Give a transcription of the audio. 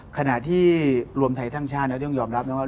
ขณะที่รวมไทยทั้งชาติยอมรับดึงว่า